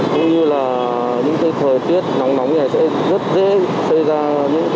cũng như là những thời tiết nóng nóng này sẽ rất dễ xây ra những